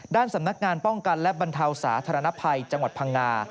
ด้านสำนักงานป้องกันและบรรเทาสาธารณภัยจังหวัดพังงา